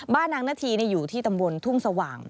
นางนาธีอยู่ที่ตำบลทุ่งสว่าง